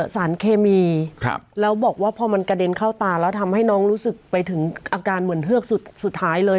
สารเคมีแล้วบอกว่าพอมันกระเด็นเข้าตาแล้วทำให้น้องรู้สึกไปถึงอาการเหมือนเฮือกสุดท้ายเลย